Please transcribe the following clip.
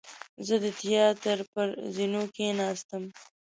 زه د تیاتر پر زینو کېناستم.